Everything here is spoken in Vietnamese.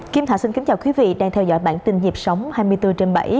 kim thả xin kính chào quý vị đang theo dõi bản tin nhịp sống hai mươi bốn trên bảy